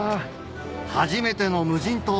初めての無人島！